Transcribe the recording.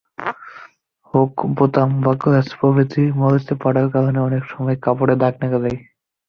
Hook, বোতাম, বকলেস প্রভৃতিতে মরচে পড়ার কারণে অনেক সময় কাপড়ে দাগ পড়ে যায়।